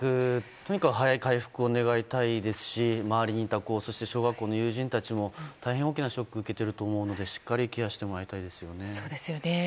とにかく早い回復を願いたいですし周りにいた子そして小学校の友人たちも大変大きなショックを受けていると思うのでしっかりケアしてもらいたいですね。